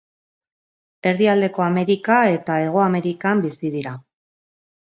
Erdialdeko Amerika eta Hego Amerikan bizi dira.